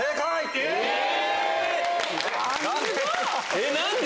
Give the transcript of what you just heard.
えっ何で？